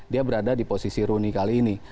dia berada di posisi rooney kali ini